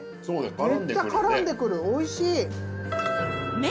めっちゃ絡んでくるおいしい。